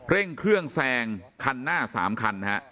เร่งเครื่องแซงคันหน้า๓คันนะฮะ